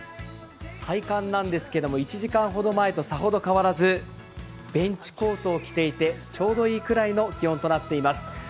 体感なんですが、１時間ほど前とさほど変わらずベンチコートを着ていてちょうどいいくらいの気温となっています。